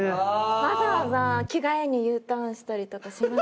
わざわざ着替えにＵターンしたりとかしますね。